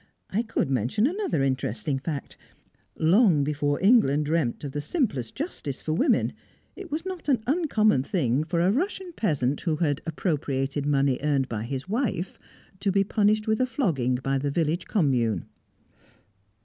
I could mention another interesting fact. Long before England dreamt of the simplest justice for women, it was not an uncommon thing for a Russian peasant who had appropriated money earned by his wife, to be punished with a flogging by the village commune."